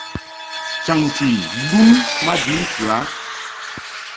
Chaŋti lun maji ntɨ a.